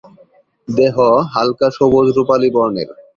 দেহ হালকা সবুজ-রুপালি বর্ণের।